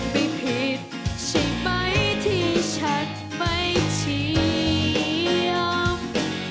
ไม่ผิดใช่ไหมที่ฉันไม่เฉียว